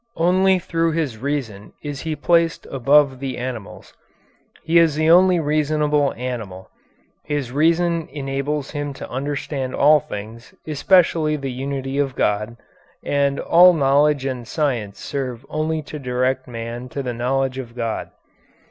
Only through his reason is he placed above the animals. He is the only reasonable animal. His reason enables him to understand all things, especially the Unity of God, and all knowledge and science serve only to direct man to the knowledge of God.